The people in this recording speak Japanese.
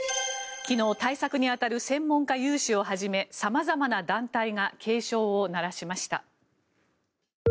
昨日、対策に当たる専門家有志をはじめ様々な団体が警鐘を鳴らしました。